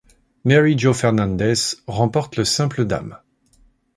Mary Joe Fernández remporte le simple dames.